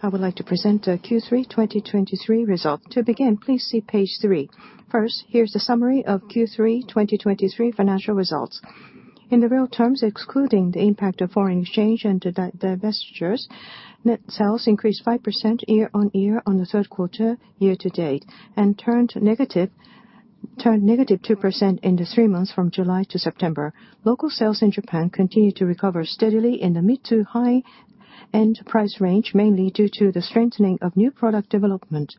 I would like to present the Q3 2023 result. To begin, please see page three. First, here's the summary of Q3 2023 financial results. In real terms, excluding the impact of foreign exchange and divestitures, net sales increased 5% year-on-year on the third quarter year to date, and turned negative 2% in the three months from July to September. Local sales in Japan continue to recover steadily in the mid-to-high-end price range, mainly due to the strengthening of new product development.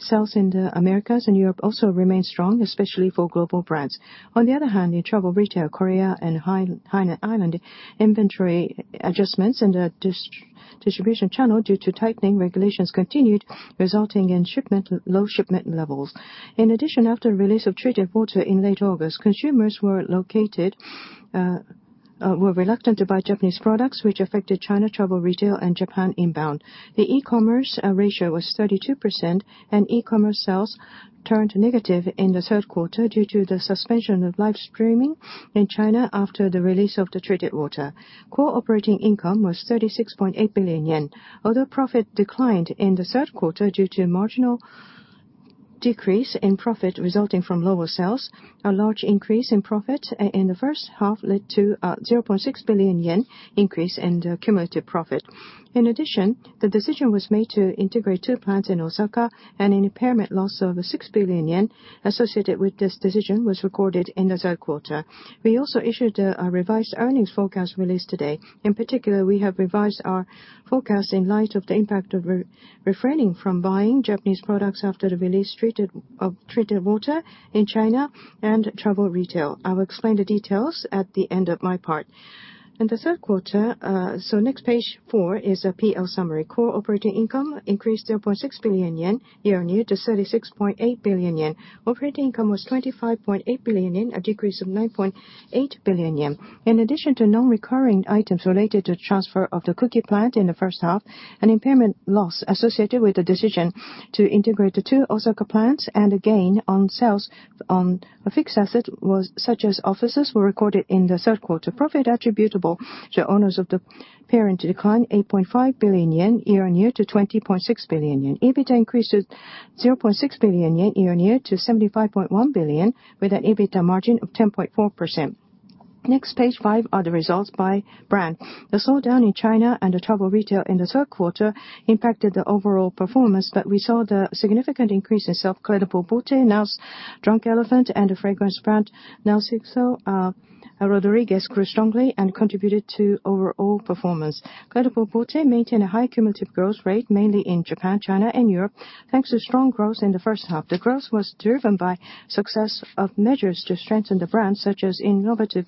Sales in the Americas and Europe also remain strong, especially for global brands. On the other hand, in travel retail, Korea, and Hainan Island, inventory adjustments in the distribution channel due to tightening regulations continued, resulting in low shipment levels. In addition, after the release of treated water in late August, consumers were reluctant to buy Japanese products, which affected China travel retail and Japan inbound. The e-commerce ratio was 32%, and e-commerce sales turned negative in the third quarter due to the suspension of live streaming in China after the release of the treated water. Core operating income was 36.8 billion yen. Although profit declined in the third quarter due to a marginal decrease in profit resulting from lower sales, a large increase in profit in the first half led to 0.6 billion yen increase in the cumulative profit. In addition, the decision was made to integrate two plants in Osaka, an impairment loss of 6 billion yen associated with this decision was recorded in the third quarter. We also issued a revised earnings forecast released today. In particular, we have revised our forecast in light of the impact of refraining from buying Japanese products after the release of treated water in China and travel retail. I will explain the details at the end of my part. In the third quarter, next, page four is a PL summary. Core operating income increased 0.6 billion yen year-on-year to 36.8 billion yen. Operating income was 25.8 billion yen, a decrease of 9.8 billion yen. In addition to non-recurring items related to transfer of the Kuki plant in the first half, an impairment loss associated with the decision to integrate the two Osaka plants and a gain on sales on a fixed asset, such as offices, were recorded in the third quarter. Profit attributable to owners of the parent declined 8.5 billion yen year-on-year to 20.6 billion yen. EBITDA increased to 0.6 billion yen year-on-year to 75.1 billion, with an EBITDA margin of 10.4%. Next, page five are the results by brand. The slowdown in China and travel retail in the third quarter impacted the overall performance, but we saw the significant increase in sales. Clé de Peau Beauté, NARS, Drunk Elephant, and the fragrance brand, Narciso Rodriguez, grew strongly and contributed to overall performance. Clé de Peau Beauté maintained a high cumulative growth rate, mainly in Japan, China, and Europe, thanks to strong growth in the first half. The growth was driven by success of measures to strengthen the brand, such as innovative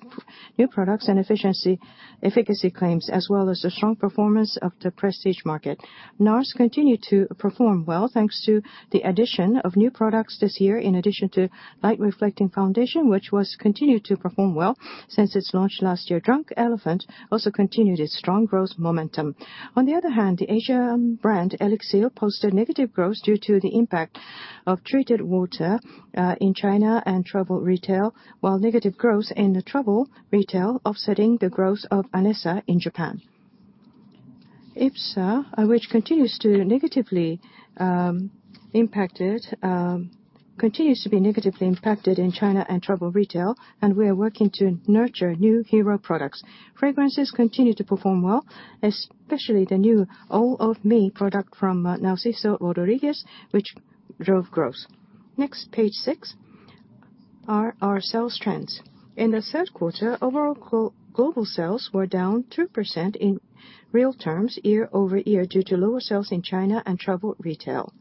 new products and efficacy claims, as well as the strong performance of the prestige market. NARS continued to perform well thanks to the addition of new products this year, in addition to Light Reflecting Foundation, which has continued to perform well since its launch last year. Drunk Elephant also continued its strong growth momentum. On the other hand, the Asian brand, ELIXIR, posted negative growth due to the impact of treated water in China and travel retail, while negative growth in the travel retail offsetting the growth of ANESSA in Japan. IPSA, which continues to be negatively impacted in China and travel retail, and we are working to nurture new hero products. Fragrances continue to perform well, especially the new All of Me product from Narciso Rodriguez, which drove growth. Next, page six are our sales trends. In the third quarter, overall global sales were down 2% in real terms year-over-year due to lower sales in China and travel retail.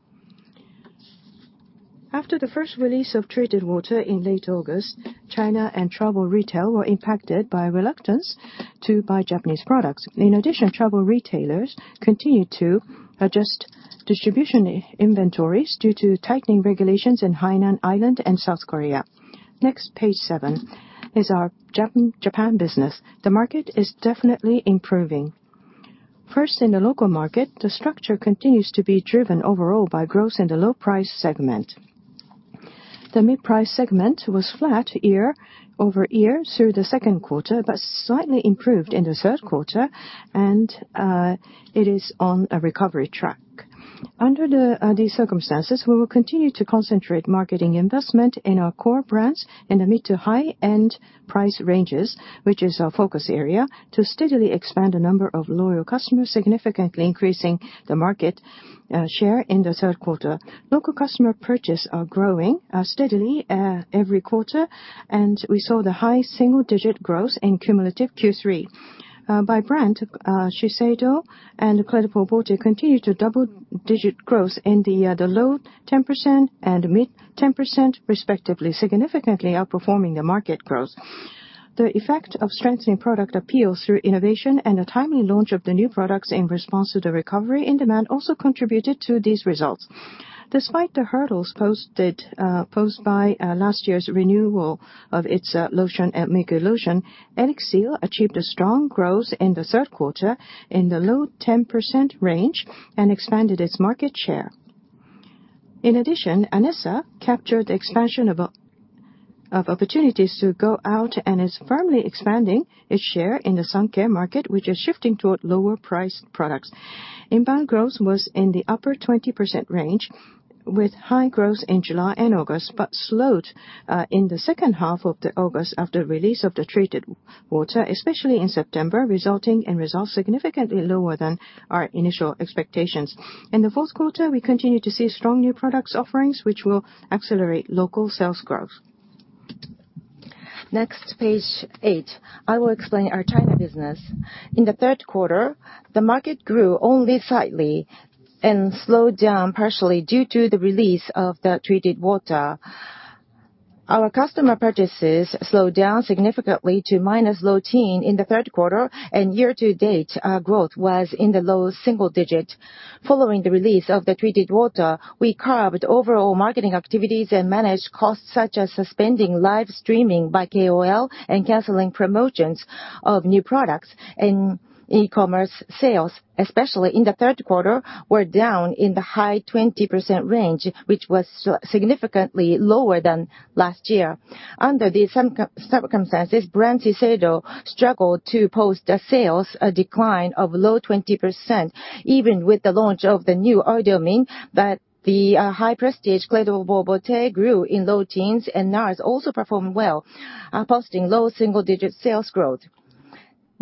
After the first release of treated water in late August, China and travel retail were impacted by a reluctance to buy Japanese products. In addition, travel retailers continued to adjust distribution inventories due to tightening regulations in Hainan Island and South Korea. Next, page seven is our Japan business. The market is definitely improving. First, in the local market, the structure continues to be driven overall by growth in the low price segment. The mid-price segment was flat year-over-year through the second quarter, but slightly improved in the third quarter and it is on a recovery track. Under these circumstances, we will continue to concentrate marketing investment in our core brands in the mid to high-end price ranges, which is our focus area, to steadily expand the number of loyal customers, significantly increasing the market share in the third quarter. Local customer purchase are growing steadily every quarter, and we saw the high single-digit growth in cumulative Q3. By brand, Shiseido and Clé de Peau Beauté continued to double-digit growth in the low 10% and mid 10%, respectively, significantly outperforming the market growth. The effect of strengthening product appeal through innovation and the timely launch of the new products in response to the recovery and demand also contributed to these results. Despite the hurdles posed by last year's renewal of its lotion, Legendary Enmei, ELIXIR achieved a strong growth in the third quarter in the low 10% range and expanded its market share. In addition, ANESSA captured the expansion of opportunities to go out and is firmly expanding its share in the sun care market, which is shifting toward lower priced products. Inbound growth was in the upper 20% range with high growth in July and August, but slowed in the second half of August after release of the treated water, especially in September, resulting in results significantly lower than our initial expectations. In the fourth quarter, we continue to see strong new products offerings, which will accelerate local sales growth. Next, page eight. I will explain our China business. In the third quarter, the market grew only slightly and slowed down partially due to the release of the treated water. Our customer purchases slowed down significantly to minus low teen in the third quarter, and year-to-date, our growth was in the low single-digit. Following the release of the treated water, we carved overall marketing activities and managed costs such as suspending live streaming by KOL and canceling promotions of new products. E-commerce sales, especially in the third quarter, were down in the high 20% range, which was significantly lower than last year. Under these circumstances, brand SHISEIDO struggled to post a sales decline of low 20%, even with the launch of the new Idol Mint. The high prestige Clé de Peau Beauté grew in low teens, and NARS also performed well, posting low single-digit sales growth.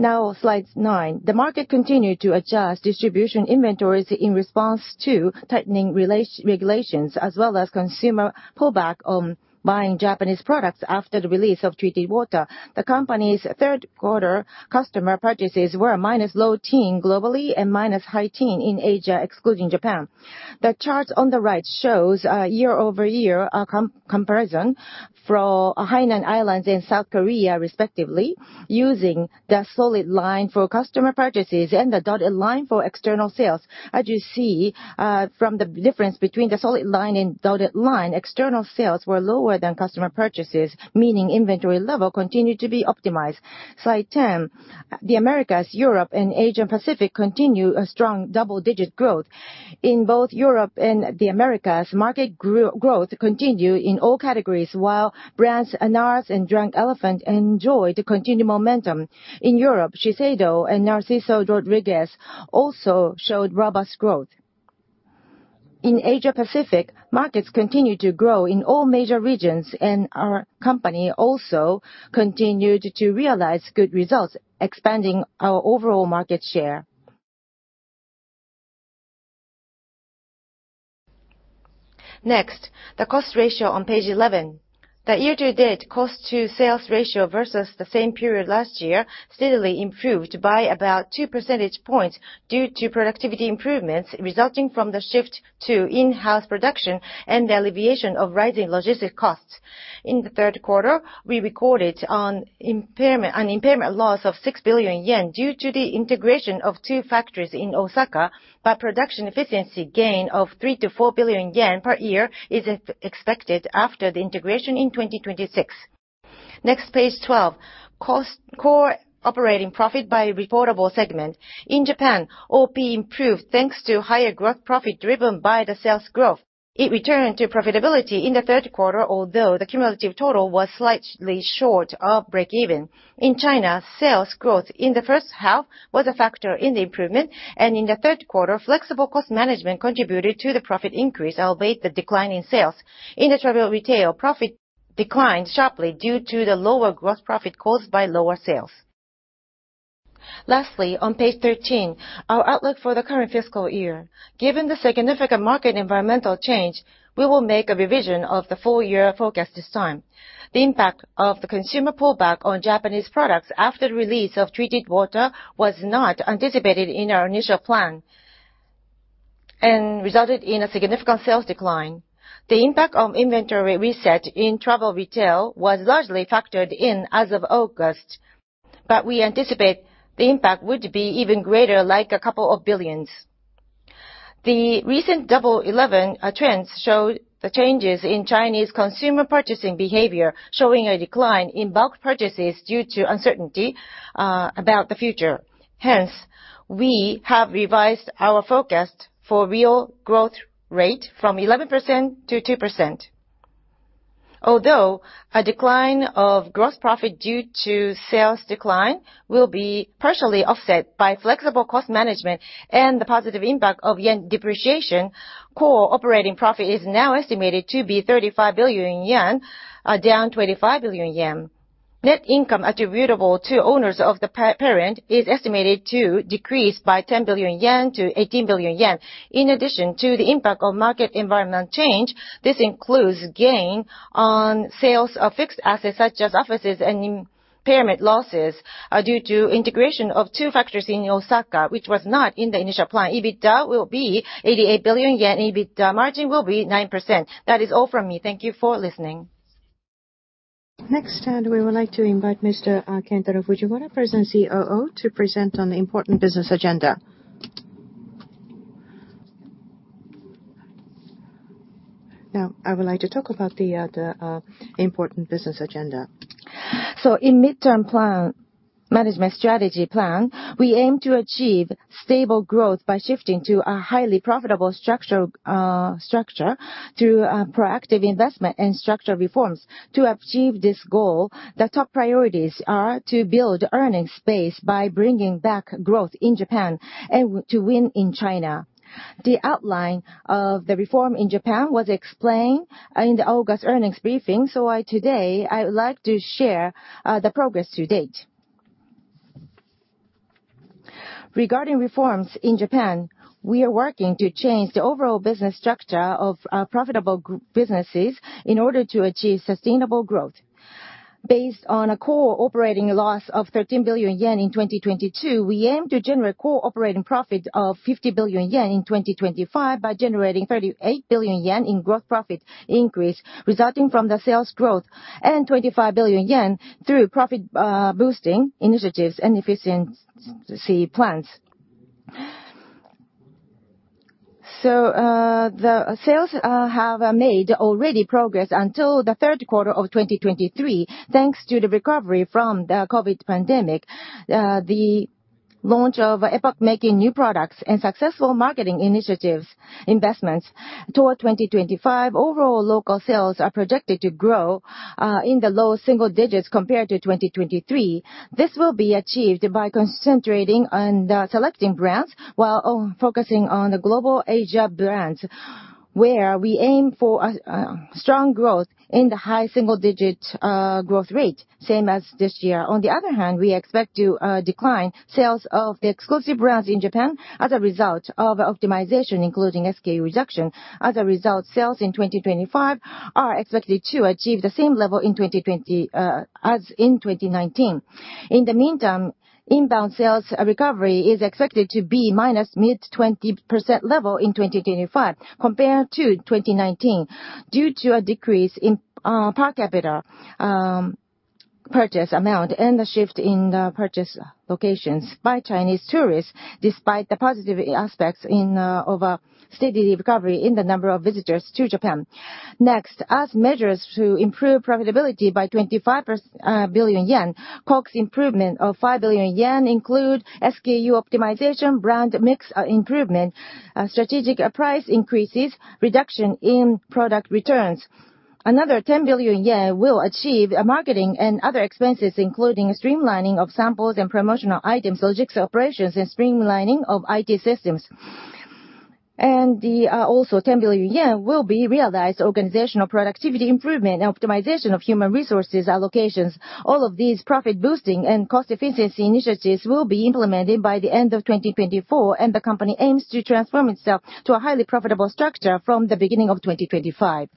Slide nine. The market continued to adjust distribution inventories in response to tightening regulations as well as consumer pullback on buying Japanese products after the release of treated water. The company's third quarter customer purchases were minus low teen globally and minus high teen in Asia, excluding Japan. The chart on the right shows a year-over-year comparison for Hainan Island and South Korea respectively, using the solid line for customer purchases and the dotted line for external sales. As you see from the difference between the solid line and dotted line, external sales were lower than customer purchases, meaning inventory level continued to be optimized. Slide 10. The Americas, Europe, and Asia Pacific continue a strong double-digit growth. In both Europe and the Americas, market growth continued in all categories, while brands NARS and Drunk Elephant enjoyed continued momentum. In Europe, SHISEIDO and Narciso Rodriguez also showed robust growth. In Asia Pacific, markets continued to grow in all major regions, and our company also continued to realize good results, expanding our overall market share. The cost ratio on page 11. The year-to-date cost to sales ratio versus the same period last year steadily improved by about two percentage points due to productivity improvements resulting from the shift to in-house production and the alleviation of rising logistic costs. In the third quarter, we recorded an impairment loss of 6 billion yen due to the integration of two factories in Osaka, but production efficiency gain of 3 billion to 4 billion yen per year is expected after the integration in 2026. Page 12. Core operating profit by reportable segment. In Japan, OP improved thanks to higher gross profit driven by the sales growth. It returned to profitability in the third quarter, although the cumulative total was slightly short of break-even. In China, sales growth in the first half was a factor in the improvement. In the third quarter, flexible cost management contributed to the profit increase, albeit the decline in sales. In the Travel Retail, profit declined sharply due to the lower gross profit caused by lower sales. On page 13, our outlook for the current fiscal year. Given the significant market environmental change, we will make a revision of the full-year forecast this time. The impact of the consumer pullback on Japanese products after the release of treated water was not anticipated in our initial plan and resulted in a significant sales decline. The impact of inventory reset in Travel Retail was largely factored in as of August, but we anticipate the impact would be even greater, like a couple of billions. The recent Double Eleven trends showed the changes in Chinese consumer purchasing behavior, showing a decline in bulk purchases due to uncertainty about the future. We have revised our forecast for real growth rate from 11% to 2%. Although a decline of gross profit due to sales decline will be partially offset by flexible cost management and the positive impact of JPY depreciation, core operating profit is now estimated to be 35 billion yen, down 25 billion yen. Net income attributable to owners of the parent is estimated to decrease by 10 billion yen to 18 billion yen. In addition to the impact of market environment change, this includes gain on sales of fixed assets such as offices and impairment losses due to integration of two factors in Osaka, which was not in the initial plan. EBITDA will be 88 billion yen. EBITDA margin will be 9%. That is all from me. Thank you for listening. Next stand, we would like to invite Mr. Kentaro Fujiwara, President and COO, to present on the important business agenda. I would like to talk about the important business agenda. In mid-term management strategy plan, we aim to achieve stable growth by shifting to a highly profitable structure through proactive investment and structure reforms. To achieve this goal, the top priorities are to build earning space by bringing back growth in Japan and to win in China. The outline of the reform in Japan was explained in the August earnings briefing. Today, I would like to share the progress to date. Regarding reforms in Japan, we are working to change the overall business structure of profitable group businesses in order to achieve sustainable growth. Based on a core operating loss of 13 billion yen in 2022, we aim to generate core operating profit of 50 billion yen in 2025 by generating 38 billion yen in growth profit increase, resulting from the sales growth and 25 billion yen through profit-boosting initiatives and efficiency plans. The sales have made already progress until the third quarter of 2023, thanks to the recovery from the COVID pandemic, the launch of epoch-making new products, and successful marketing initiatives investments. Toward 2025, overall local sales are projected to grow in the low single digits compared to 2023. This will be achieved by concentrating on the selecting brands while focusing on the global Asia brands, where we aim for a strong growth in the high single-digit growth rate, same as this year. On the other hand, we expect to decline sales of the exclusive brands in Japan as a result of optimization, including SKU reduction. As a result, sales in 2025 are expected to achieve the same level as in 2019. In the meantime, inbound sales recovery is expected to be -mid 20% level in 2025 compared to 2019 due to a decrease in per capita purchase amount and the shift in the purchase locations by Chinese tourists, despite the positive aspects of a steady recovery in the number of visitors to Japan. Next, as measures to improve profitability by 25 billion yen, COGS improvement of 5 billion yen include SKU optimization, brand mix improvement, strategic price increases, reduction in product returns. Another 10 billion yen will achieve marketing and other expenses, including streamlining of samples and promotional items, logistics operations, and streamlining of IT systems. Also 10 billion yen will be realized organizational productivity improvement and optimization of human resources allocations. All of these profit-boosting and cost efficiency initiatives will be implemented by the end of 2024, and the company aims to transform itself to a highly profitable structure from the beginning of 2025.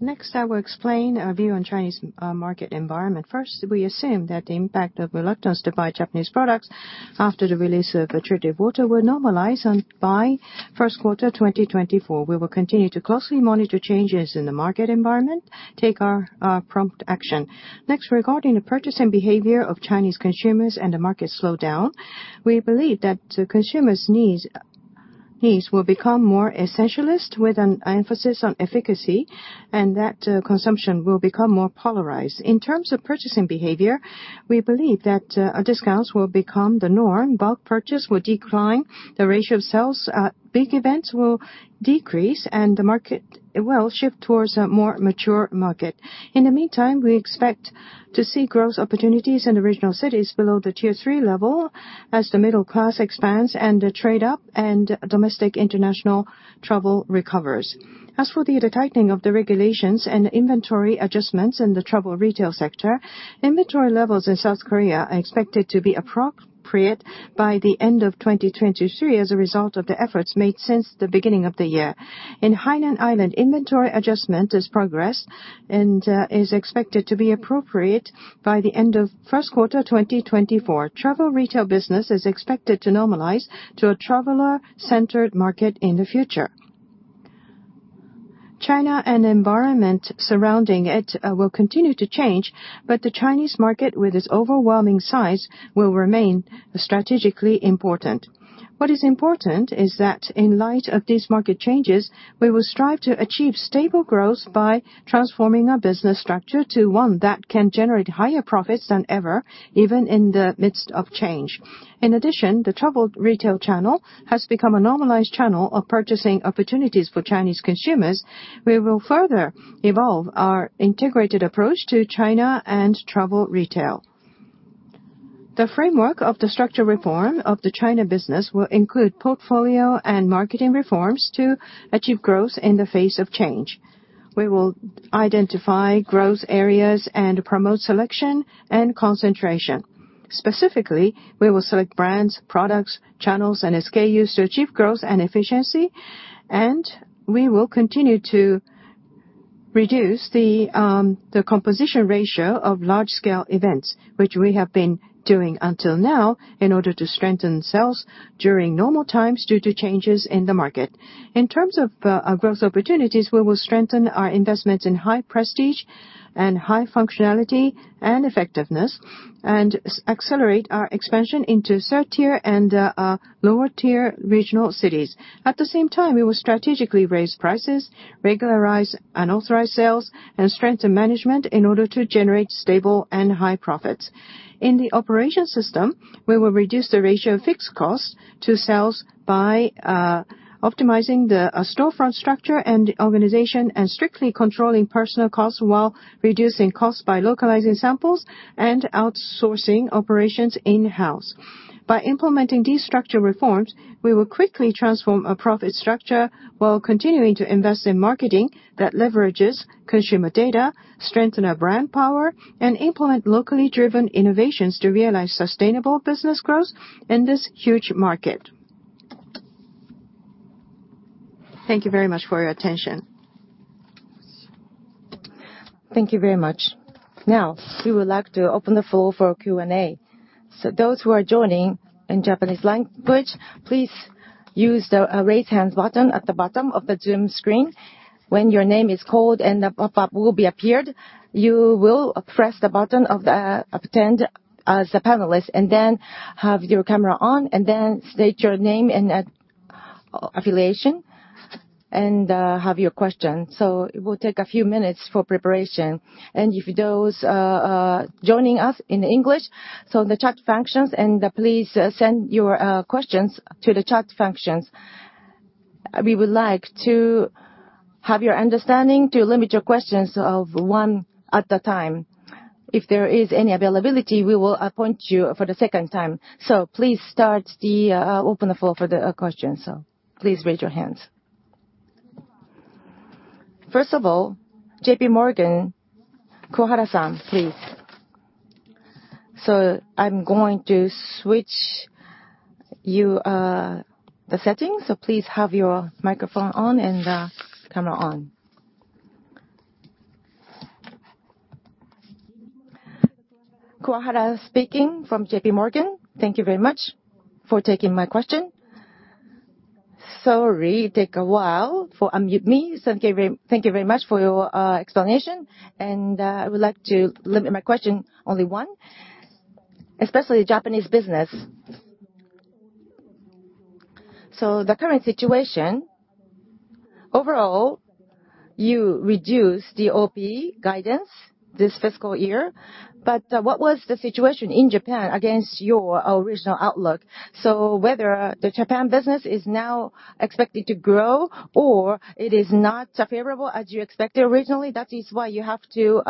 Next, I will explain our view on Chinese market environment. First, we assume that the impact of reluctance to buy Japanese products after the release of treated water will normalize by first quarter 2024. We will continue to closely monitor changes in the market environment, take our prompt action. Next, regarding the purchasing behavior of Chinese consumers and the market slowdown, we believe that consumers' needs will become more essentialist with an emphasis on efficacy, and that consumption will become more polarized. In terms of purchasing behavior, we believe that discounts will become the norm, bulk purchase will decline, the ratio of sales at big events will decrease, and the market will shift towards a more mature market. In the meantime, we expect to see growth opportunities in the regional cities below the tier 3 level as the middle class expands and the trade up and domestic international travel recovers. As for the tightening of the regulations and inventory adjustments in the travel retail sector, inventory levels in South Korea are expected to be appropriate by the end of 2023 as a result of the efforts made since the beginning of the year. In Hainan Island, inventory adjustment has progressed and is expected to be appropriate by the end of first quarter 2024. Travel retail business is expected to normalize to a traveler-centered market in the future. China and environment surrounding it will continue to change, but the Chinese market, with its overwhelming size, will remain strategically important. What is important is that in light of these market changes, we will strive to achieve stable growth by transforming our business structure to one that can generate higher profits than ever, even in the midst of change. The travel retail channel has become a normalized channel of purchasing opportunities for Chinese consumers. We will further evolve our integrated approach to China and travel retail. The framework of the structure reform of the China business will include portfolio and marketing reforms to achieve growth in the face of change. We will identify growth areas and promote selection and concentration. Specifically, we will select brands, products, channels, and SKUs to achieve growth and efficiency, and we will continue to reduce the composition ratio of large-scale events, which we have been doing until now in order to strengthen sales during normal times due to changes in the market. In terms of our growth opportunities, we will strengthen our investments in high prestige and high functionality and effectiveness, and accelerate our expansion into 3rd-tier and lower-tier regional cities. We will strategically raise prices, regularize unauthorized sales, and strengthen management in order to generate stable and high profits. In the operation system, we will reduce the ratio of fixed costs to sales by optimizing the storefront structure and organization, and strictly controlling personal costs while reducing costs by localizing samples and outsourcing operations in-house. By implementing these structural reforms, we will quickly transform a profit structure while continuing to invest in marketing that leverages consumer data, strengthen our brand power, and implement locally driven innovations to realize sustainable business growth in this huge market. Thank you very much for your attention. Thank you very much. We would like to open the floor for Q&A. Those who are joining in Japanese language, please use the raise hand button at the bottom of the Zoom screen. When your name is called and the pop-up will be appeared, you will press the button of attend as a panelist and then have your camera on, and then state your name and affiliation, and have your question. It will take a few minutes for preparation. If those are joining us in English, the chat functions and please send your questions to the chat functions. We would like to have your understanding to limit your questions of one at a time. If there is any availability, we will appoint you for the second time. Please start to open the floor for the questions. Please raise your hands. First of all, JPMorgan, Akiko-san, please. I'm going to switch the settings, so please have your microphone on and camera on. Akiko speaking from JPMorgan. Thank you very much for taking my question. Sorry, take a while for unmute me. Thank you very much for your explanation. I would like to limit my question only one. Especially Japanese business. The current situation, overall, you reduced the OP guidance this fiscal year, but what was the situation in Japan against your original outlook? Whether the Japan business is now expected to grow or it is not favorable as you expected originally, that is why you have to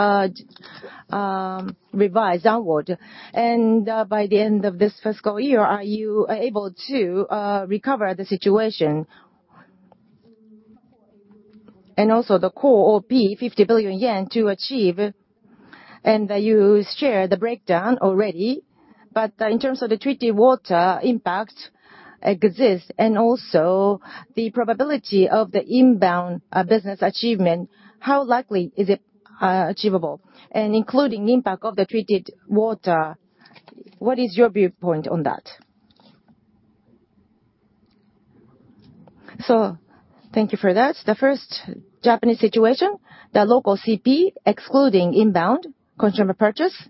revise downward? By the end of this fiscal year, are you able to recover the situation? Also the core OP, 50 billion yen to achieve, and you share the breakdown already. In terms of the treated water impact exists and also the probability of the inbound business achievement, how likely is it achievable? Including impact of the treated water, what is your viewpoint on that? Thank you for that. The first Japanese situation, the local CP, excluding inbound Consumer Purchase,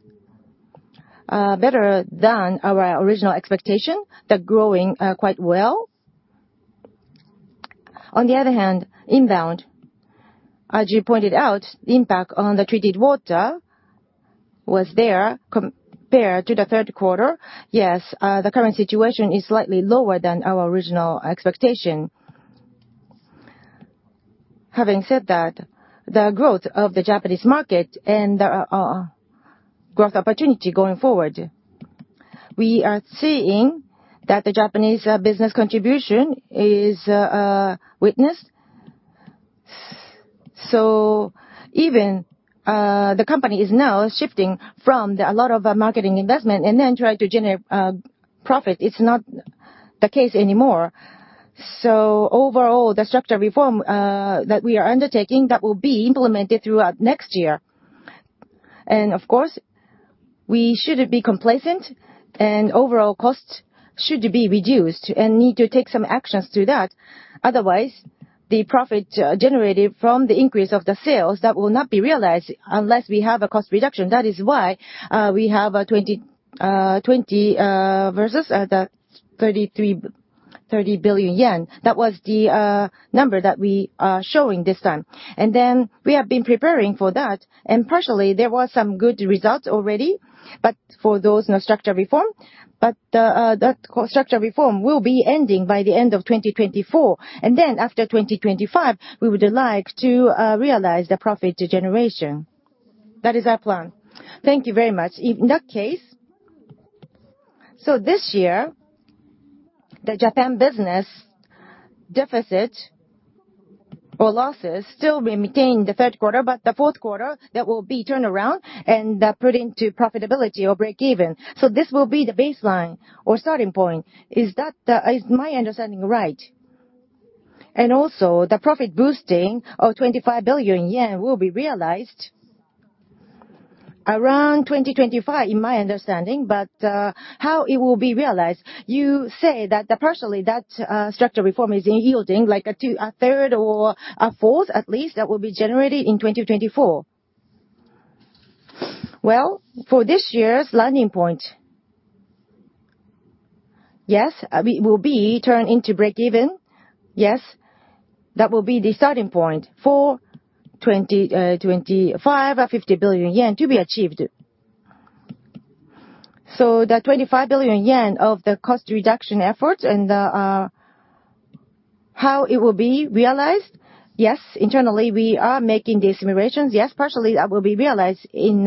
better than our original expectation. They're growing quite well. On the other hand, inbound, as you pointed out, impact on the treated water was there compared to the third quarter. Yes, the current situation is slightly lower than our original expectation. Having said that, the growth of the Japanese market and growth opportunity going forward, we are seeing that the Japanese business contribution is witnessed. Even the company is now shifting from a lot of marketing investment and then try to generate profit. It's not the case anymore. Overall, the structure reform that we are undertaking, that will be implemented throughout next year. Of course, we shouldn't be complacent, and overall costs should be reduced and need to take some actions to that. Otherwise, the profit generated from the increase of the sales, that will not be realized unless we have a cost reduction. That is why we have 2020 versus the 30 billion yen. That was the number that we are showing this time. We have been preparing for that. Partially, there were some good results already, but for those in the structure reform. That structure reform will be ending by the end of 2024. After 2025, we would like to realize the profit generation. That is our plan. Thank you very much. In that case, this year, the Japan business deficit or losses still retain the third quarter, but the fourth quarter, that will be turned around and put into profitability or breakeven. This will be the baseline or starting point. Is my understanding right? The profit boosting of 25 billion yen will be realized around 2025, in my understanding. How it will be realized? You say that partially that structure reform is yielding like a third or a fourth at least, that will be generated in 2024. For this year's landing point, it will be turned into breakeven. That will be the starting point for 2025, a 50 billion yen to be achieved. That 25 billion yen of the cost reduction efforts and how it will be realized. Internally, we are making the estimations. Partially that will be realized in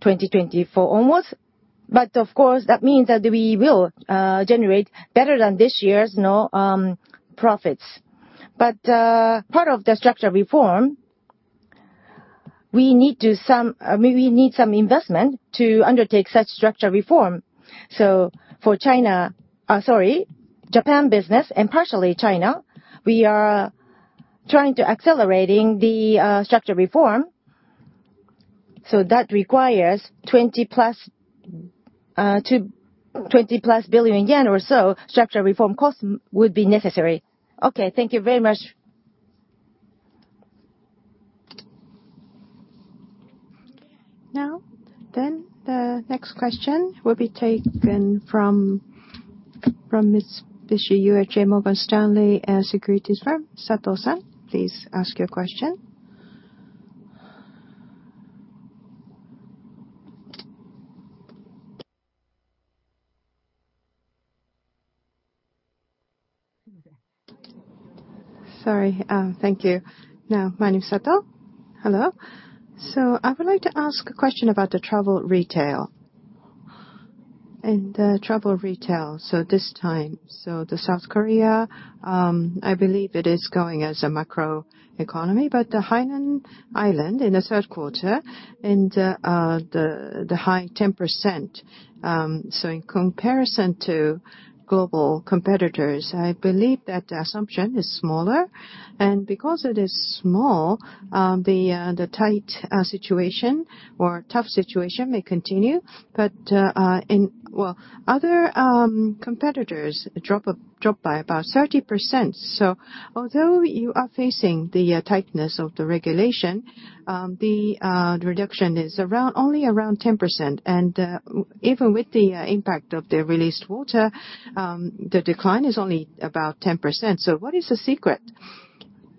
2024 almost. Of course, that means that we will generate better than this year's profits. Part of the structure reform, we need some investment to undertake such structure reform. For Japan business and partially China, we are trying to accelerating the structure reform. That requires 20-plus billion yen or so, structure reform cost would be necessary. Thank you very much. The next question will be taken from Mitsubishi UFJ Morgan Stanley Securities Co., Ltd. Sato san, please ask your question. Sorry. Thank you. My name is Sato. Hello. I would like to ask a question about the travel retail. In the travel retail, this time, the South Korea, I believe it is going as a macro economy, but the Hainan Island in the third quarter and the high 10%. In comparison to global competitors, I believe that the assumption is smaller. Because it is small, the tight situation or tough situation may continue. Other competitors drop by about 30%. Although you are facing the tightness of the regulation, the reduction is only around 10%. Even with the impact of the released water, the decline is only about 10%. What is the secret?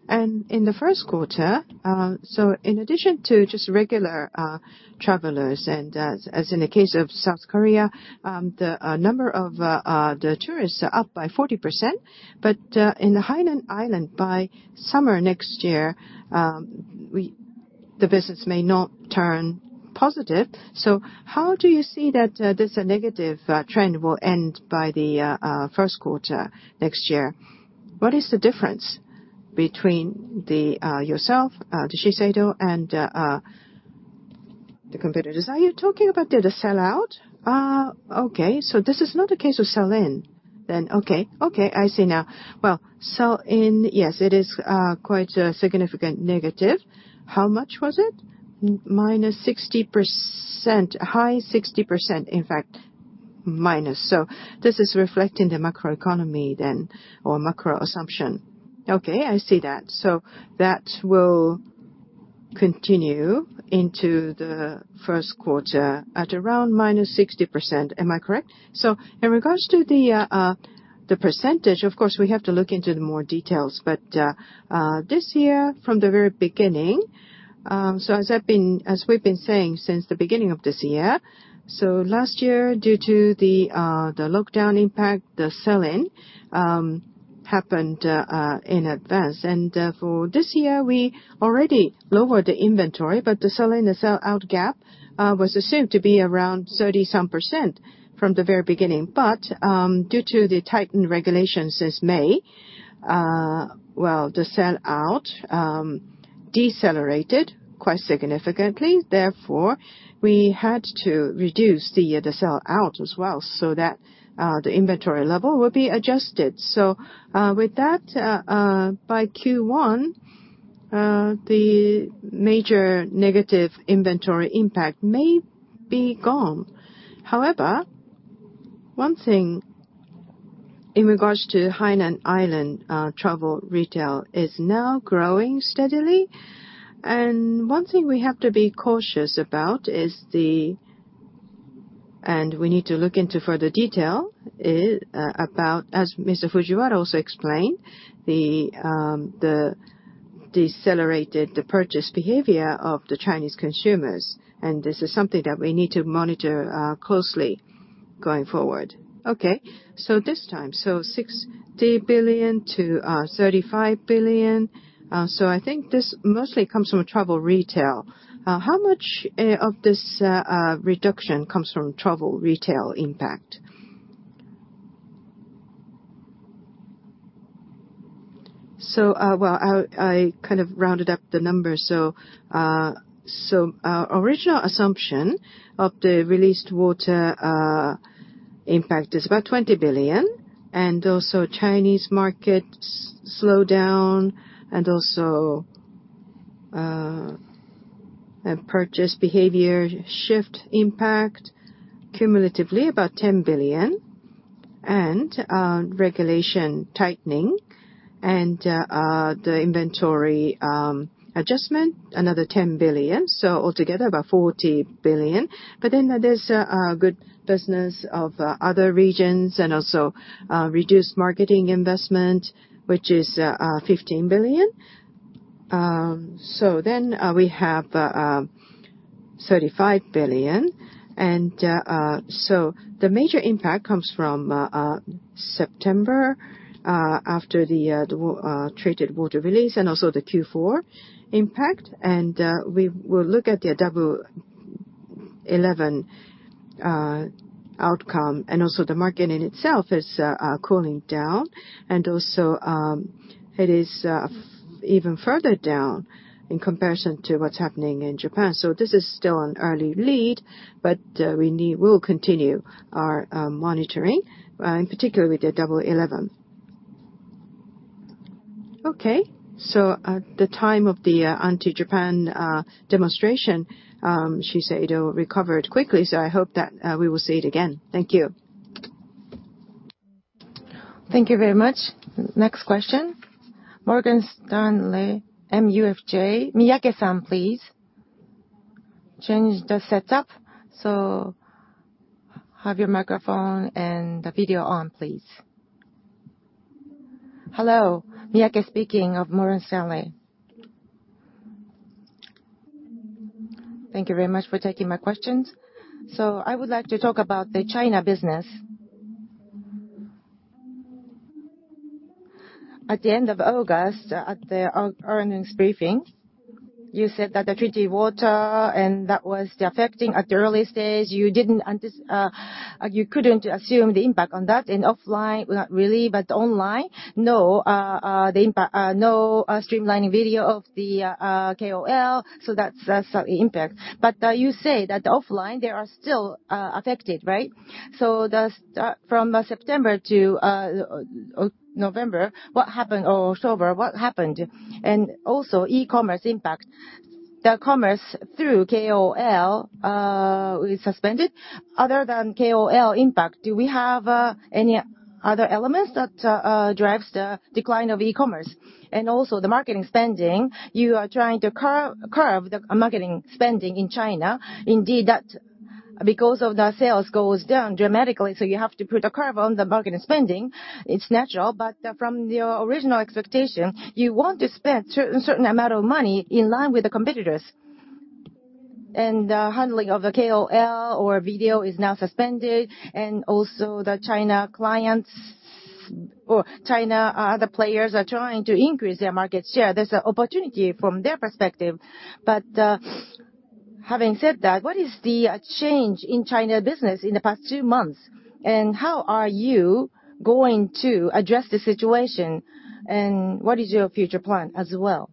In the first quarter, in addition to just regular travelers and as in the case of South Korea, the number of the tourists are up by 40%. In the Hainan Island by summer next year, the visits may not turn positive. How do you see that this negative trend will end by the first quarter next year? What is the difference between yourself, the Shiseido, and the competitors? Are you talking about the sell-out? Okay. This is not a case of sell-in then. Okay. I see now. Sell-in, yes, it is quite a significant negative. How much was it? Minus 60%. High 60%, in fact, minus. This is reflecting the macro economy then, or macro assumption. Okay, I see that. That will continue into the first quarter at around minus 60%. Am I correct? In regards to the percentage, of course, we have to look into the more details. This year, from the very beginning, as we've been saying since the beginning of this year, last year, due to the lockdown impact, the sell-in happened in advance. For this year, we already lowered the inventory, but the sell-in and sell-out gap was assumed to be around 30-some% from the very beginning. Due to the tightened regulations this May, well, the sell-out decelerated quite significantly. Therefore, we had to reduce the sell-out as well so that the inventory level would be adjusted. With that, by Q1, the major negative inventory impact may be gone. However, one thing in regards to Hainan Island travel retail is now growing steadily. One thing we have to be cautious about is, and we need to look into further detail, about as Mr. Fujiwara also explained, the decelerated purchase behavior of the Chinese consumers. This is something that we need to monitor closely going forward. Okay. This time, 60 billion to 35 billion. I think this mostly comes from travel retail. How much of this reduction comes from travel retail impact? Well, I kind of rounded up the numbers. Our original assumption of the released water- Impact is about 20 billion. Also Chinese market slowed down, also purchase behavior shift impact, cumulatively about 10 billion. Regulation tightening and the inventory adjustment, another 10 billion. Altogether, about 40 billion. There's good business of other regions, also reduced marketing investment, which is 15 billion. We have 35 billion. The major impact comes from September, after the treated water release also the Q4 impact. We will look at the Double 11 outcome, also the market in itself is cooling down. Also, it is even further down in comparison to what's happening in Japan. This is still an early lead, but we'll continue our monitoring, in particular with the Double 11. Okay. At the time of the anti-Japan demonstration, Shiseido recovered quickly, I hope that we will see it again. Thank you. Thank you very much. Next question. Morgan Stanley, MUFG. Haruka-san, please. Change the setup. Have your microphone and the video on, please. Hello. Haruka speaking of Morgan Stanley. Thank you very much for taking my questions. I would like to talk about the China business. At the end of August, at the earnings briefing, you said that the treated water, that was affecting at the early stage. You couldn't assume the impact on that in offline, not really, but online, no streamlining video of the KOL, that's the impact. You say that offline, they are still affected, right? So from September to November or October, what happened? Also e-commerce impact. The commerce through KOL is suspended. Other than KOL impact, do we have any other elements that drives the decline of e-commerce? Also the marketing spending, you are trying to curb the marketing spending in China. Indeed, that because of the sales goes down dramatically, you have to put a curb on the marketing spending. It's natural, from your original expectation, you want to spend certain amount of money in line with the competitors. Handling of the KOL or video is now suspended, also the China clients or China, other players are trying to increase their market share. There's an opportunity from their perspective. Having said that, what is the change in China business in the past two months, and how are you going to address the situation? What is your future plan as well?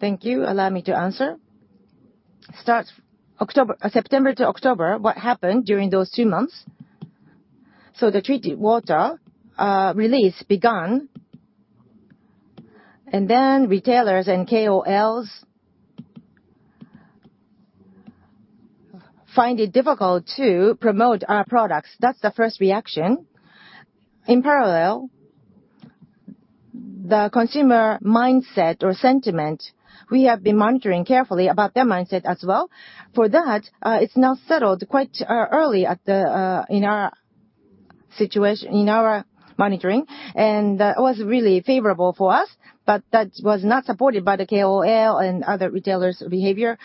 Thank you. Allow me to answer. September to October, what happened during those two months? The treated water release began, retailers and KOLs find it difficult to promote our products. That's the first reaction. In parallel, the consumer mindset or sentiment, we have been monitoring carefully about their mindset as well. For that, it's now settled quite early in our monitoring, and that was really favorable for us, but that was not supported by the KOL and other retailers' behavior.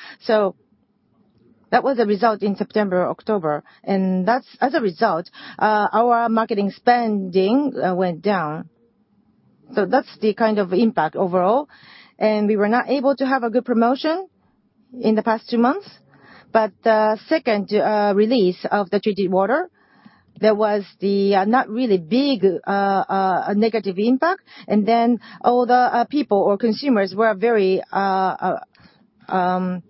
That was the result in September, October. As a result, our marketing spending went down. That's the kind of impact overall. We were not able to have a good promotion in the past two months. The second release of the treated water, there was the not really big negative impact. All the people or consumers were very silent, I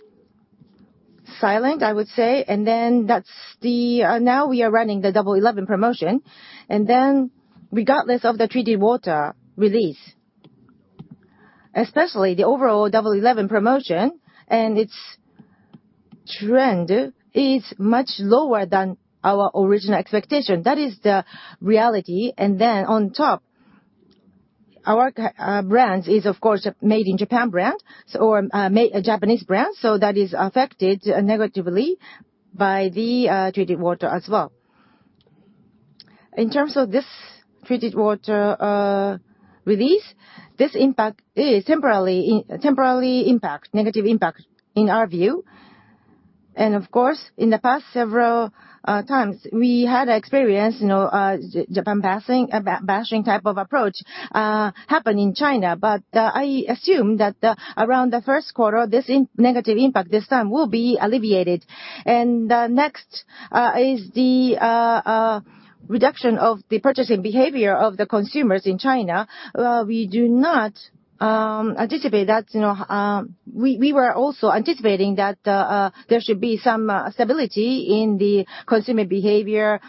would say. Now we are running the Double 11 promotion. Regardless of the treated water release, especially the overall Double 11 promotion and its trend is much lower than our original expectation. That is the reality. On top, our brand is, of course, a made in Japan brand or a Japanese brand, so that is affected negatively by the treated water as well. In terms of this treated water release, this impact is temporary impact, negative impact in our view. Of course, in the past several times, we had experience Japan bashing type of approach happen in China. I assume that around the first quarter, this negative impact this time will be alleviated. Next is the reduction of the purchasing behavior of the consumers in China. We do not anticipate that. We were also anticipating that there should be some stability in the consumer behavior.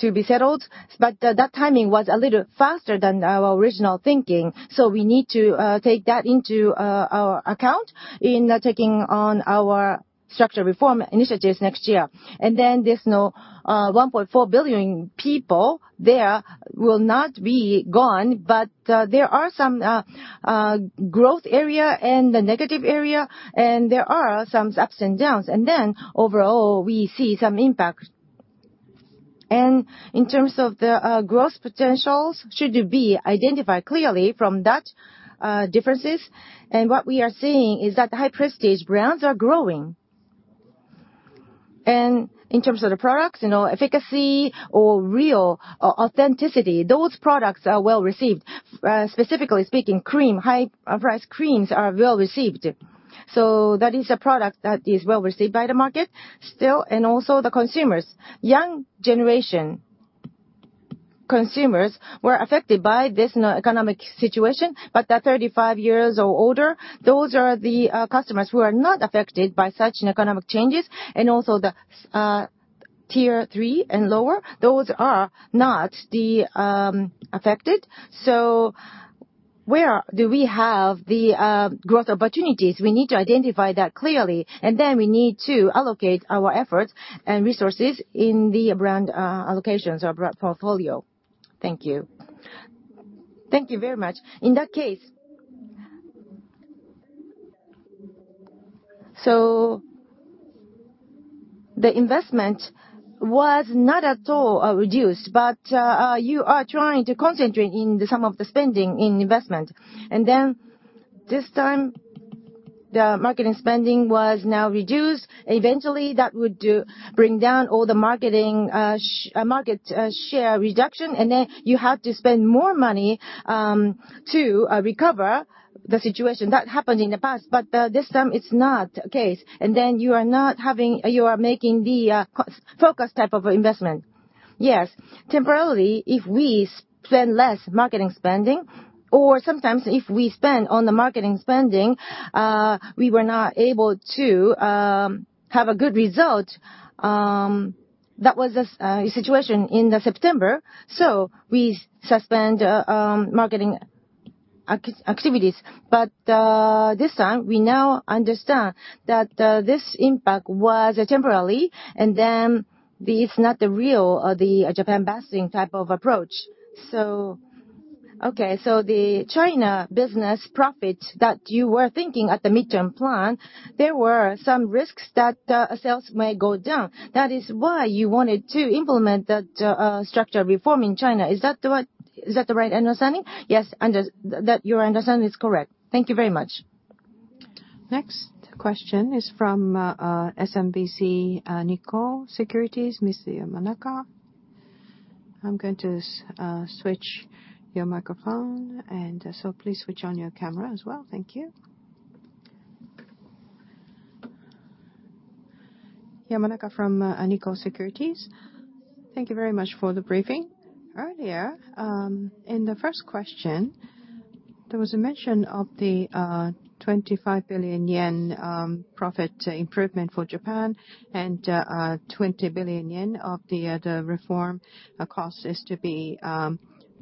To be settled, that timing was a little faster than our original thinking. We need to take that into our account in taking on our structural reform initiatives next year. This 1.4 billion people there will not be gone, but there are some growth area and the negative area, and there are some ups and downs. Overall, we see some impact. In terms of the growth potentials, should be identified clearly from that differences. What we are seeing is that the high-prestige brands are growing. In terms of the products, efficacy or real authenticity, those products are well-received. Specifically speaking, cream, high-priced creams are well-received. That is a product that is well-received by the market still and also the consumers. Young generation consumers were affected by this economic situation, but the 35 years or older, those are the customers who are not affected by such economic changes. Also the Tier 3 and lower, those are not affected. Where do we have the growth opportunities? We need to identify that clearly, we need to allocate our efforts and resources in the brand allocations or brand portfolio. Thank you. Thank you very much. In that case, the investment was not at all reduced, but you are trying to concentrate in some of the spending in investment. This time, the marketing spending was now reduced. Eventually, that would bring down all the market share reduction, you have to spend more money to recover the situation. That happened in the past, this time it's not the case. You are making the focus type of investment. Yes. Temporarily, if we spend less marketing spending, or sometimes if we spend on the marketing spending, we were not able to have a good result. That was the situation in September. We suspend marketing activities. This time, we now understand that this impact was temporary, it's not the real Japan bashing type of approach. Okay. The China business profit that you were thinking at the midterm plan, there were some risks that sales may go down. That is why you wanted to implement that structural reform in China. Is that the right understanding? Yes, your understanding is correct. Thank you very much. Next question is from SMBC Nikko Securities, Ms. Yamanaka. I'm going to switch your microphone, so please switch on your camera as well. Thank you. Yamanaka from Nikko Securities. Thank you very much for the briefing. Earlier, in the first question, there was a mention of the 25 billion yen profit improvement for Japan and 20 billion yen of the reform cost is to be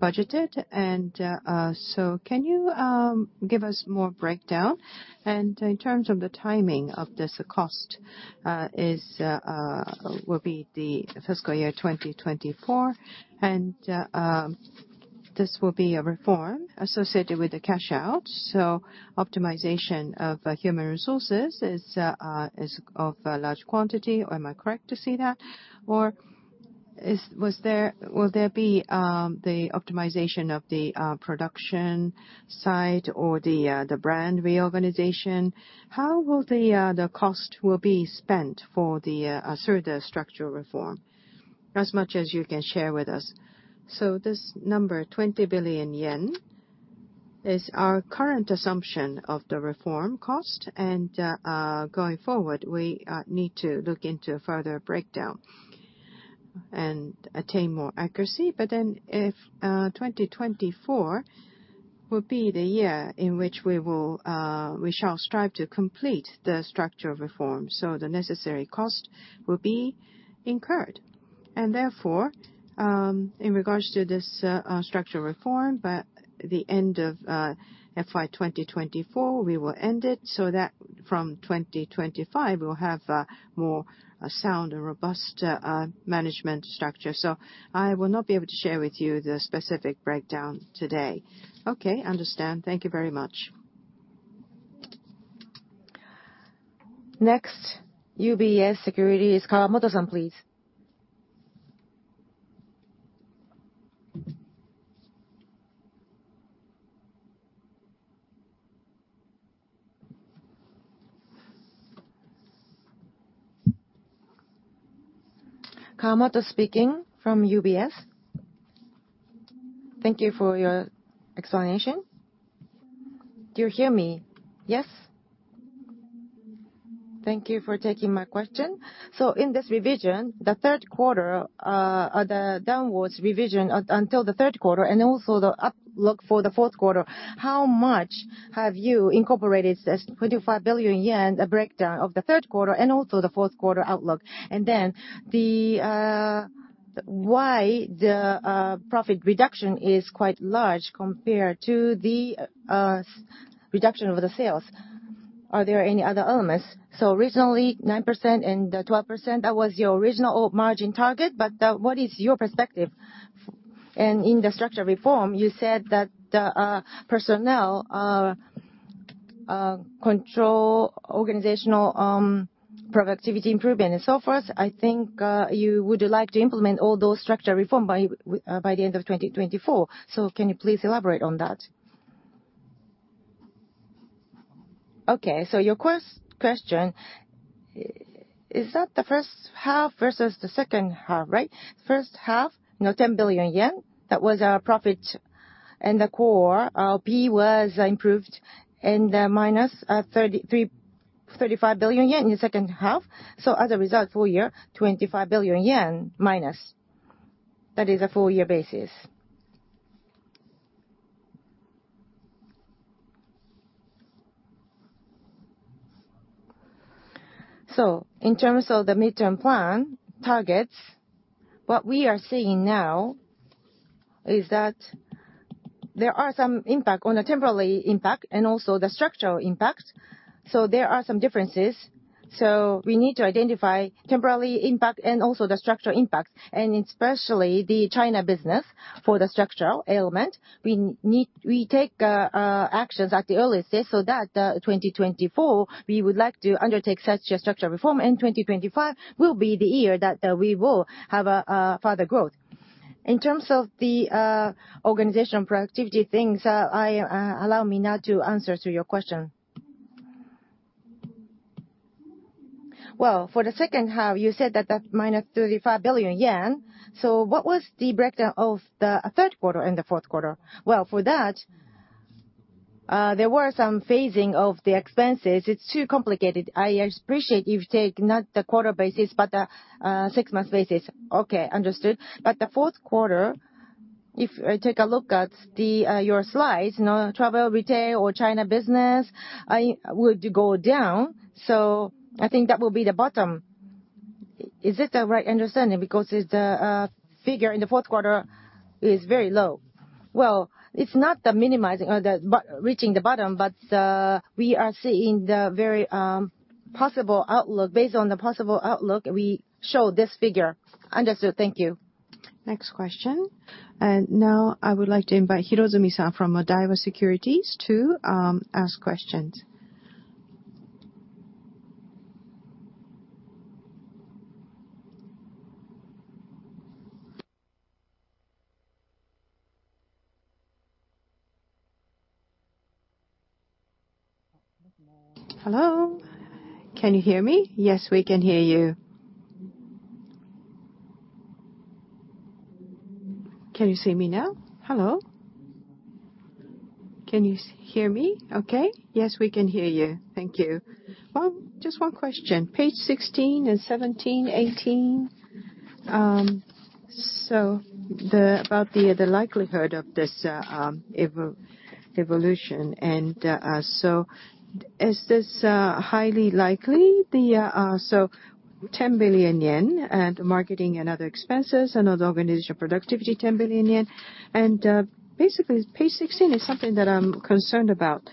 budgeted. Can you give us more breakdown? In terms of the timing of this cost, will be FY 2024, this will be a reform associated with the cash out. Optimization of human resources is of a large quantity, am I correct to say that? Or will there be the optimization of the production side or the brand reorganization? How will the cost will be spent through the structural reform? As much as you can share with us. This number, 20 billion yen, is our current assumption of the reform cost. Going forward, we need to look into further breakdown and attain more accuracy. 2024 will be the year in which we shall strive to complete the structural reform. The necessary cost will be incurred. Therefore, in regards to this structural reform, by the end of FY 2024, we will end it so that from 2025, we'll have a more sound and robust management structure. I will not be able to share with you the specific breakdown today. Okay, understand. Thank you very much. Next, UBS Securities, Kawamoto-san, please. Hisae speaking from UBS. Thank you for your explanation. Do you hear me? Yes? Thank you for taking my question. In this revision, the downwards revision until the third quarter and also the outlook for the fourth quarter, how much have you incorporated this 25 billion yen breakdown of the third quarter and also the fourth quarter outlook? Why the profit reduction is quite large compared to the reduction of the sales? Are there any other elements? Originally 9% and 12%, that was your original margin target. What is your perspective? In the structure reform, you said that the personnel are control organizational productivity improvement and so forth. I think you would like to implement all those structure reform by the end of 2024. Can you please elaborate on that? Your first question, is that the first half versus the second half, right? First half, 10 billion yen, that was our profit, and the core OP was improved and minus 35 billion yen in the second half. As a result, full year, 25 billion yen minus. That is a full year basis. In terms of the midterm plan targets, what we are seeing now is that there are some impact on the temporary impact and also the structural impact. There are some differences. We need to identify temporary impact and also the structural impact, and especially the China business for the structural element. We take actions at the earliest so that 2024, we would like to undertake such a structural reform, and 2025 will be the year that we will have further growth. In terms of the organization productivity things, allow me now to answer to your question. For the second half, you said that that minus 35 billion yen. What was the breakdown of the third quarter and the fourth quarter? For that, there were some phasing of the expenses. It's too complicated. I appreciate you take not the quarter basis, but the six months basis. Understood. The fourth quarter, if I take a look at your slides, travel retail or China business would go down. I think that will be the bottom. Is it the right understanding? Because the figure in the fourth quarter is very low. It's not the minimizing or the reaching the bottom. We are seeing the very possible outlook. Based on the possible outlook, we show this figure. Understood. Thank you. Next question. Now I would like to invite Katsuro Hirozumi-san from Daiwa Securities to ask questions. Hello? Can you hear me? Yes, we can hear you. Can you see me now? Hello? Can you hear me okay? Yes, we can hear you. Thank you. Just one question. Page 16 and 17, 18. About the likelihood of this evolution. Is this highly likely? 10 billion yen and marketing and other expenses and organizational productivity, 10 billion yen. Basically, page 16 is something that I'm concerned about.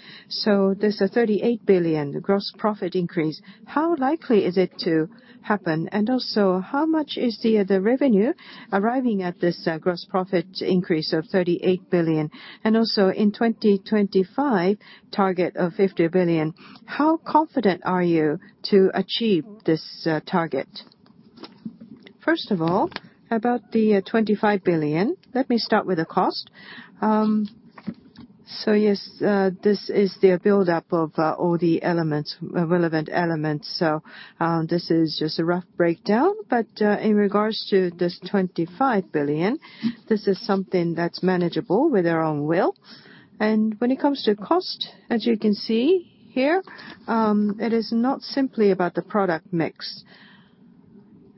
There's a 38 billion, the gross profit increase. How likely is it to happen? How much is the revenue arriving at this gross profit increase of 38 billion? In 2025, target of 50 billion, how confident are you to achieve this target? First of all, about the 25 billion, let me start with the cost. Yes, this is the buildup of all the relevant elements. This is just a rough breakdown. In regards to this 25 billion, this is something that's manageable with our own will. When it comes to cost, as you can see here, it is not simply about the product mix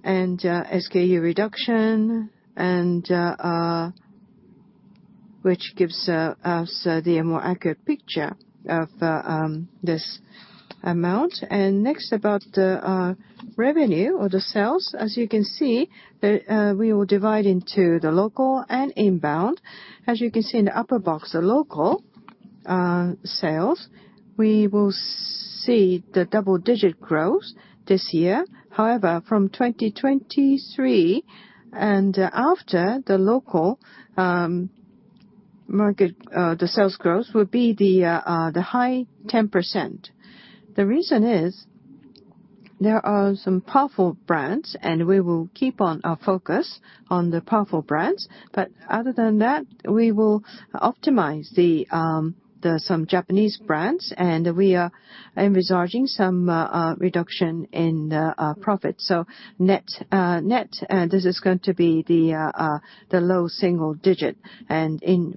and SKU reduction, which gives us the more accurate picture of this amount. Next, about the revenue or the sales. As you can see, we will divide into the local and inbound. As you can see in the upper box, the local sales, we will see the double-digit growth this year. However, from 2023 and after, the local market, the sales growth will be the high 10%. The reason is there are some powerful brands, we will keep on our focus on the powerful brands. Other than that, we will optimize some Japanese brands, we are envisaging some reduction in profit. Net, this is going to be the low single digit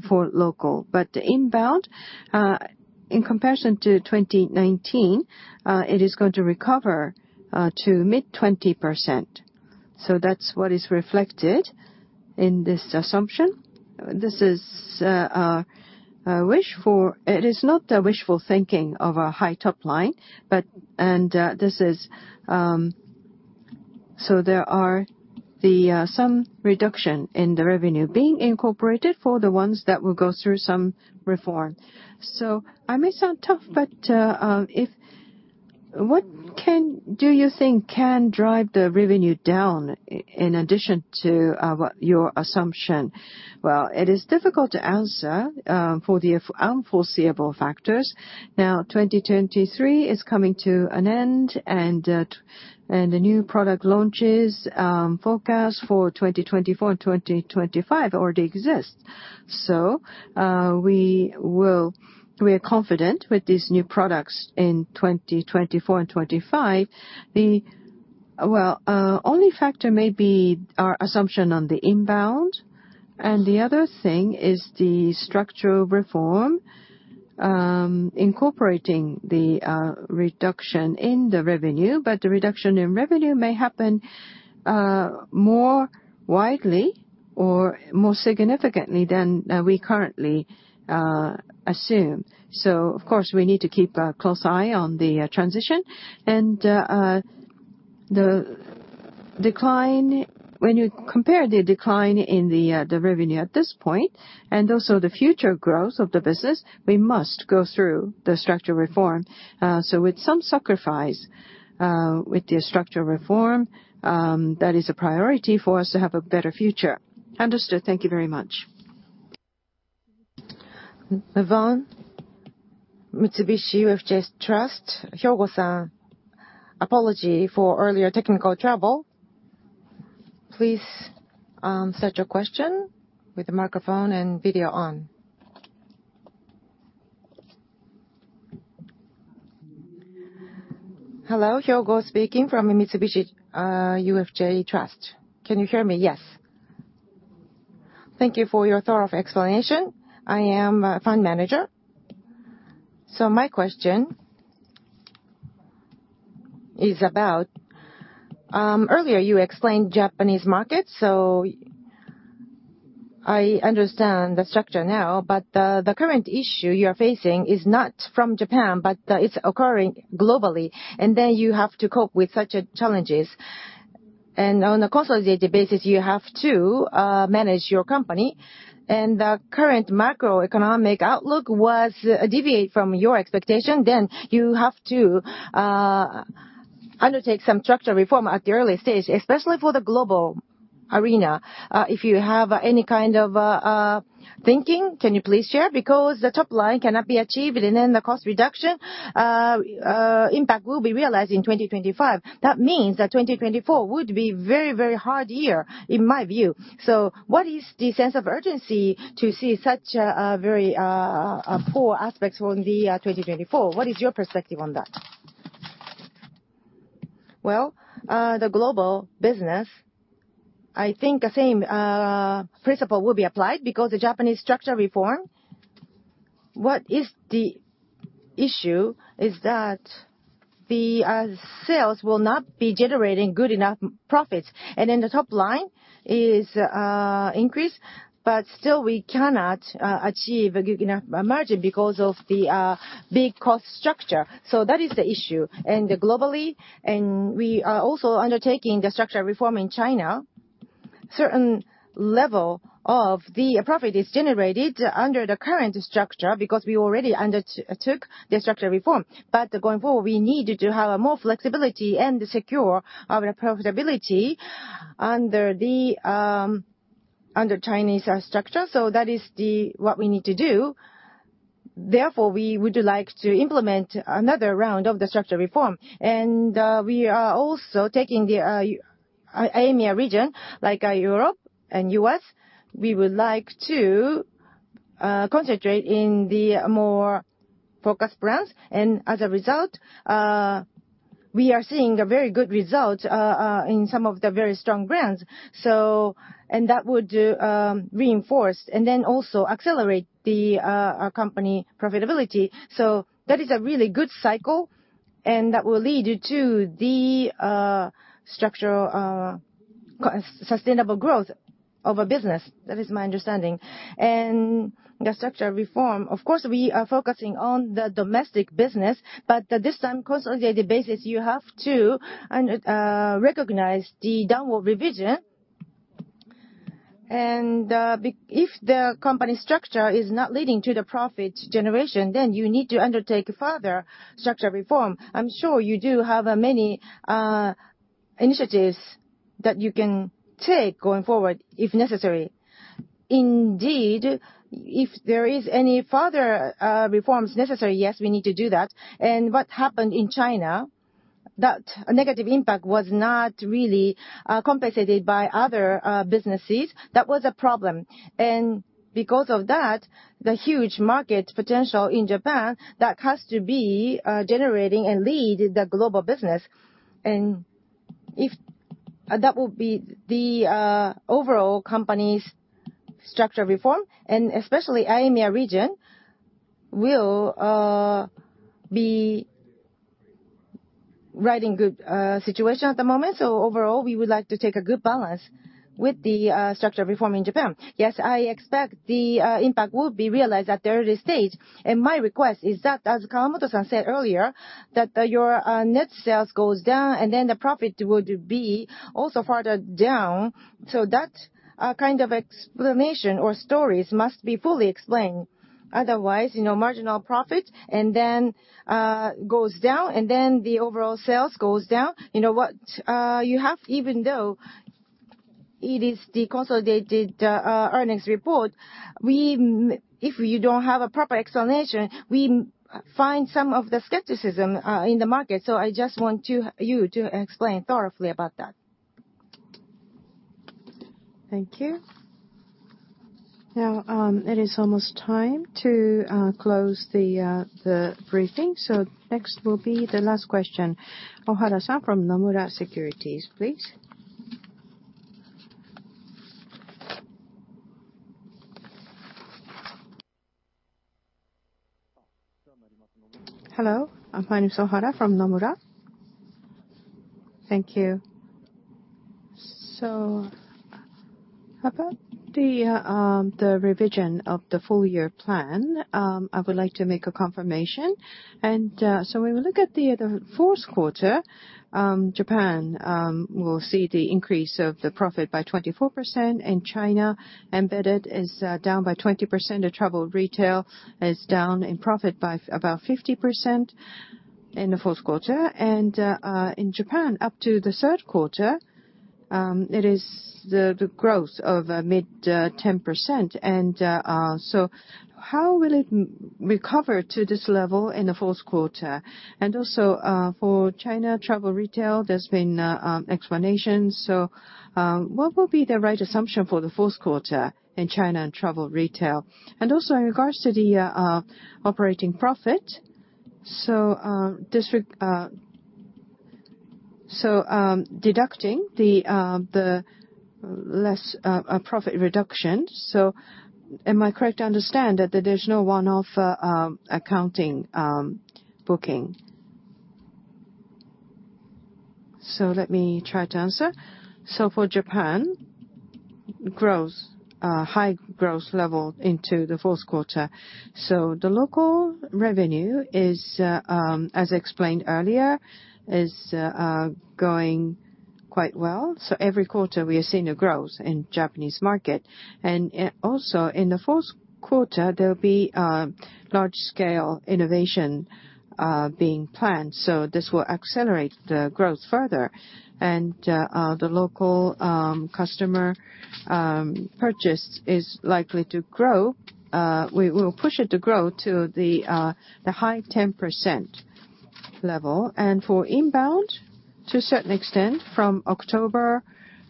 for local. Inbound, in comparison to 2019, it is going to recover to mid 20%. That's what is reflected In this assumption, this is not a wishful thinking of a high top line. There are some reduction in the revenue being incorporated for the ones that will go through some reform. I may sound tough, what do you think can drive the revenue down in addition to your assumption? It is difficult to answer for the unforeseeable factors. Now 2023 is coming to an end, the new product launches forecast for 2024 and 2025 already exist. We are confident with these new products in 2024 and 2025. Only factor may be our assumption on the inbound, the other thing is the structural reform, incorporating the reduction in the revenue, the reduction in revenue may happen more widely or more significantly than we currently assume. Of course, we need to keep a close eye on the transition and the decline. When you compare the decline in the revenue at this point and also the future growth of the business, we must go through the structural reform. With some sacrifice with the structural reform, that is a priority for us to have a better future. Understood. Thank you very much. Yvonne, Mitsubishi UFJ Trust. Hyogo-san, apology for earlier technical trouble. Please state your question with the microphone and video on. Hello, Hyogo speaking from Mitsubishi UFJ Trust. Can you hear me? Yes. Thank you for your thorough explanation. I am a fund manager. My question is about, earlier you explained Japanese market, so I understand the structure now, but the current issue you are facing is not from Japan, but it's occurring globally, and you have to cope with such challenges. On a consolidated basis, you have to manage your company, and the current macroeconomic outlook was deviate from your expectation, then you have to undertake some structural reform at the early stage, especially for the global arena. If you have any kind of thinking, can you please share? The top line cannot be achieved, and the cost reduction impact will be realized in 2025. That means that 2024 would be very, very hard year, in my view. What is the sense of urgency to see such a very poor aspects from the 2024? What is your perspective on that? Well, the global business, I think the same principle will be applied because the Japanese structural reform, what is the issue is that the sales will not be generating good enough profits. The top line is increased, but still we cannot achieve a good enough margin because of the big cost structure. That is the issue. Globally, and we are also undertaking the structural reform in China. Certain level of the profit is generated under the current structure because we already undertook the structural reform. Going forward, we need to have more flexibility and secure our profitability under Chinese structure. That is what we need to do. Therefore, we would like to implement another round of the structural reform. We are also taking the EMEA region, like Europe and U.S. We would like to concentrate in the more focused brands. As a result, we are seeing very good results in some of the very strong brands. That would reinforce and then also accelerate our company profitability. That is a really good cycle, and that will lead to the structural sustainable growth of a business. That is my understanding. The structural reform, of course, we are focusing on the domestic business, but this time, consolidated basis, you have to recognize the downward revision. If the company structure is not leading to the profit generation, then you need to undertake further structural reform. I'm sure you do have many initiatives that you can take going forward if necessary. Indeed, if there is any further reforms necessary, yes, we need to do that. What happened in China, that negative impact was not really compensated by other businesses. That was a problem. Because of that, the huge market potential in Japan, that has to be generating and lead the global business. That will be the overall company's structural reform, and especially EMEA region will be right in good situation at the moment. Overall, we would like to take a good balance with the structure reform in Japan. Yes, I expect the impact will be realized at the early stage. My request is that, as Kawamoto san said earlier, that your net sales goes down, and then the profit would be also further down. That kind of explanation or stories must be fully explained. Otherwise, marginal profit, and then goes down, and then the overall sales goes down. What you have, even though it is the consolidated earnings report, if you don't have a proper explanation, we find some of the skepticism in the market. I just want you to explain thoroughly about that. Thank you. Now, it is almost time to close the briefing. Next will be the last question. Ohara san from Nomura Securities, please. Hello, my name is Ohara from Nomura. Thank you. About the revision of the full year plan, I would like to make a confirmation. When we look at the fourth quarter, Japan will see the increase of the profit by 24%, and China embedded is down by 20%. The travel retail is down in profit by about 50% in the fourth quarter. In Japan, up to the third quarter, it is the growth of mid 10%. How will it recover to this level in the fourth quarter? Also, for China travel retail, there's been explanations. What will be the right assumption for the fourth quarter in China and travel retail? Also in regards to the operating profit, deducting the less profit reduction. Am I correct to understand that there's no one-off accounting booking? Let me try to answer. For Japan, high growth level into the fourth quarter. The local revenue, as explained earlier, is going quite well. Every quarter we are seeing a growth in Japanese market. Also in the fourth quarter, there'll be large scale innovation being planned. This will accelerate the growth further. The local customer purchase is likely to grow. We will push it to grow to the high 10% level. For inbound, to a certain extent, from October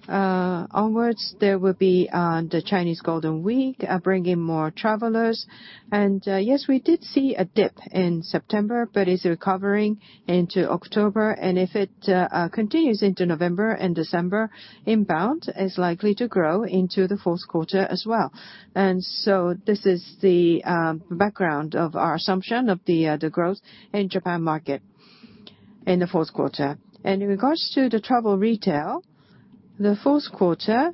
onwards, there will be the Chinese Golden Week bringing more travelers. Yes, we did see a dip in September, but it's recovering into October. If it continues into November and December, inbound is likely to grow into the fourth quarter as well. This is the background of our assumption of the growth in Japan market in the fourth quarter. In regards to the travel retail, the fourth quarter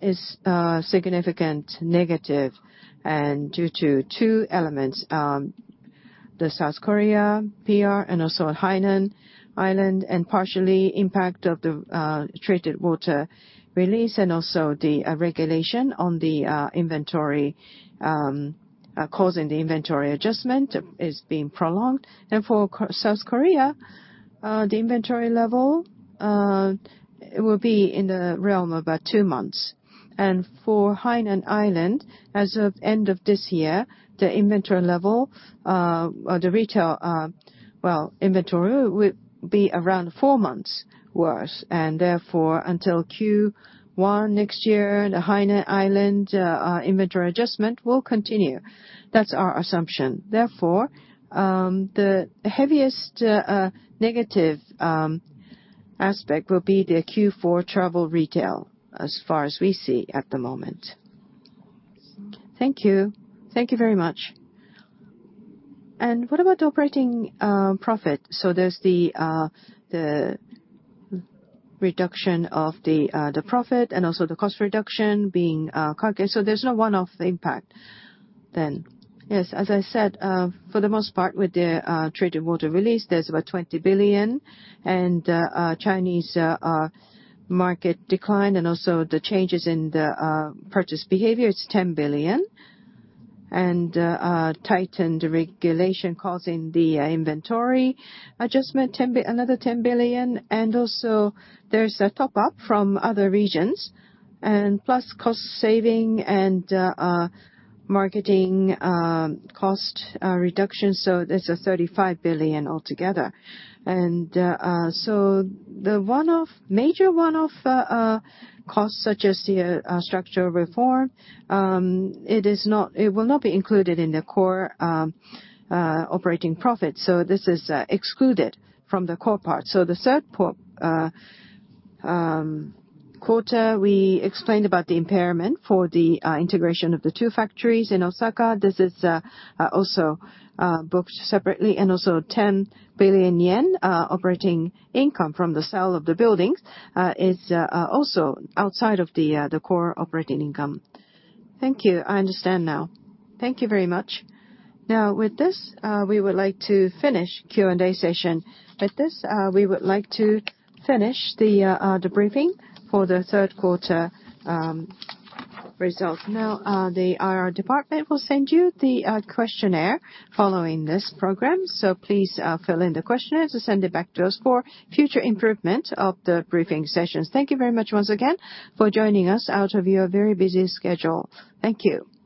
is significant negative and due to two elements, the South Korea TR and also Hainan Island, and partially impact of the treated water release and also the regulation on the inventory causing the inventory adjustment is being prolonged. For South Korea, the inventory level will be in the realm of about 2 months. For Hainan Island, as of end of this year, the inventory level, the retail inventory will be around 4 months worse, and therefore, until Q1 next year, the Hainan Island inventory adjustment will continue. That's our assumption. Therefore, the heaviest negative aspect will be the Q4 travel retail, as far as we see at the moment. Thank you. Thank you very much. What about operating profit? There's the reduction of the profit and also the cost reduction being calculated. There's no one-off impact then? Yes. As I said, for the most part with the treated water release, there's about 20 billion, and Chinese market decline and also the changes in the purchase behavior, it's 10 billion. Tightened regulation causing the inventory adjustment, another 10 billion. Also there's a top-up from other regions, plus cost saving and marketing cost reduction. There's a 35 billion altogether. The major one-off costs, such as the structural reform, it will not be included in the core operating profit. This is excluded from the core part. The third quarter, we explained about the impairment for the integration of the 2 factories in Osaka. This is also booked separately. Also 10 billion yen operating income from the sale of the buildings is also outside of the core operating income. Thank you. I understand now. Thank you very much. With this, we would like to finish Q&A session. With this, we would like to finish the briefing for the third quarter results. The IR department will send you the questionnaire following this program. Please fill in the questionnaires and send it back to us for future improvement of the briefing sessions. Thank you very much once again for joining us out of your very busy schedule. Thank you.